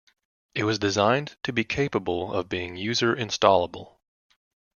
It was designed to be capable of being user-installable.